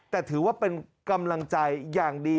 แต่ถือว่าเป็นกำลังใจอย่างดี